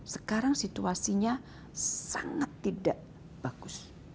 sekarang situasinya sangat tidak bagus